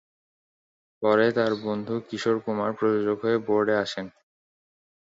পরে তাঁর বন্ধু কিশোর কুমার প্রযোজক হয়ে বোর্ডে আসেন।